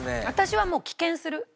私はもう棄権する。